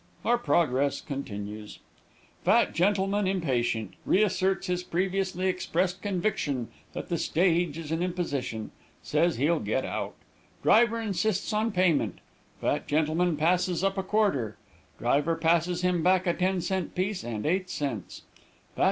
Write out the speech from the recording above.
"Our progress continues. "Fat gentleman impatient. Reasserts his previously expressed conviction, that the stage is an imposition: says he'll get out. Driver insists on payment. Fat gentleman passes up a quarter. Driver passes him back a ten cent piece and eight cents.